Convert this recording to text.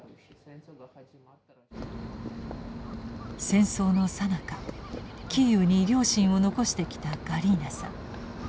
戦争のさなかキーウに両親を残してきたガリーナさん。